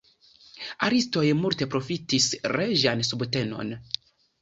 Artistoj multe profitis reĝan subtenon.